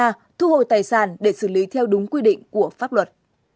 thu hồi tài sản để xử lý theo đúng quy định của pháp luật